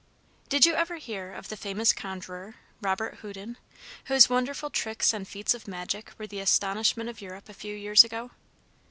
Did you ever hear of the famous conjurer Robert Houdin, whose wonderful tricks and feats of magic were the astonishment of Europe a few years ago?